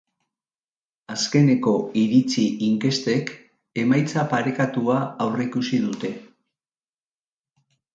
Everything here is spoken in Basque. Azkeneko iritzi-inkestek emaitza parekatua aurreikusi dute.